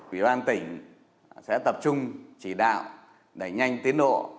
ủy ban tỉnh sẽ tập trung chỉ đạo đẩy nhanh tiến độ